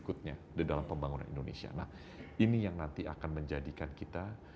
nah dua hal tersebut ini akan mempropell indonesia untuk kepada stage atau negara apa namanya target ke keadaan indonesia